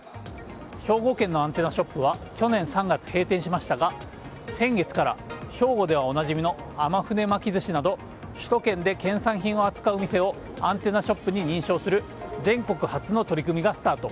兵庫県のアンテナショップは去年３月、閉店しましたが先月から、兵庫ではおなじみの天船巻き寿司など首都圏で県産品を扱う店をアンテナショップに認定する全国初の取り組みがスタート。